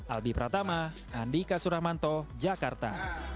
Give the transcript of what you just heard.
albi pratama andika suramanto jakarta